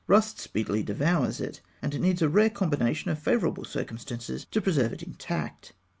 Rust speedily devours it, and it needs a rare combination of favourable circumstances to preserve it intact.